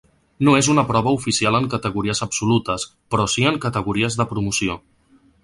No és una prova oficial en categories absolutes però sí en categories de promoció.